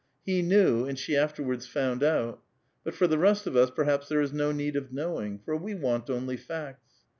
He knew, and she afterwartls found out. 15nt for the rest of us, perhaps thei'e is no need of knowing ; for Ave want only facts.